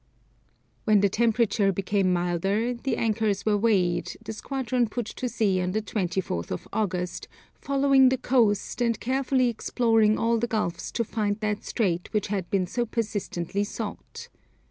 When the temperature became milder the anchors were weighed; the squadron put to sea on the 24th of August, following the coast, and carefully exploring all the gulfs to find that strait which had been so persistently sought.